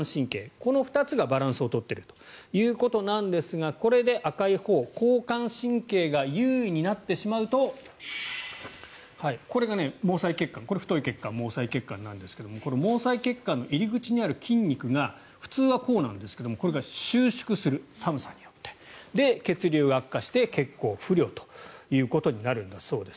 この２つがバランスを取っているということなんですがこれで赤いほう、交感神経が優位になってしまうとこれが毛細血管これ、太い血管毛細血管なんですが毛細血管の入り口にある筋肉が普通はこうなんですけどこれが寒さによって収縮する血流が悪化して血行不良ということになるんだそうです。